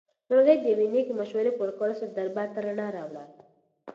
مرغۍ د یوې نېکې مشورې په ورکولو سره دربار ته رڼا راوړه.